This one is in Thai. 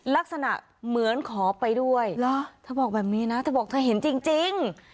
ลักษณะเหมือนขอไปด้วยเหรอเธอบอกแบบนี้นะเธอบอกเธอเห็นจริง